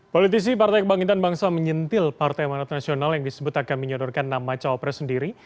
politisi partai kebangkitan bangsa menyentil partai manat nasional yang disebut akan menyodorkan nama cawapres sendiri